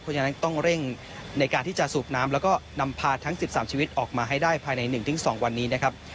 เพราะฉะนั้นต้องเร่งในการที่จะสูบน้ำแล้วก็นำพาทั้ง๑๓ชีวิตออกมาให้ได้ภายใน๑๒วันนี้นะครับ